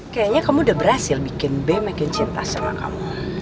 kayaknya kamu udah berhasil bikin b makin cinta sama kamu